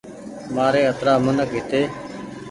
مآري اَترآ منک هيتي